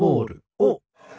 おっ。